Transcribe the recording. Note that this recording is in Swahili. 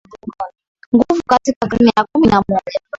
nguvu Katika karne ya kumi na moja